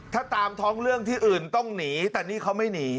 ถ้าตามท้องเรื่องที่อื่นต้องหนีแต่นี่เขาไม่หนี